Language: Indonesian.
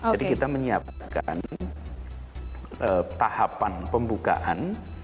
jadi kita menyiapkan tahapan pembukaan